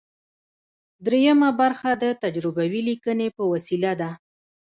دریمه برخه د تجربوي لیکنې په وسیله ده.